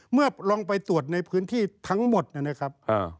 เมื่อลองไปตรวจในพื้นที่ทั้งหมดนะครับ